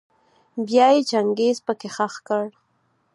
بيا يې چنګېز پکي خښ کړ.